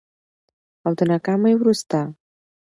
او د ناکامي وروسته